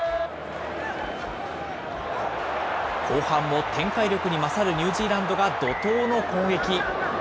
後半も展開力に勝るニュージーランドが怒とうの攻撃。